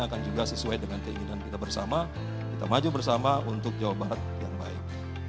akan juga sesuai dengan keinginan kita bersama kita maju bersama untuk jawa barat yang baik